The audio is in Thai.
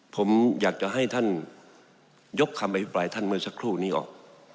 ผมอยากจะให้ท่านยกคำอภิปรายท่านเมื่อสักครู่นี้ออก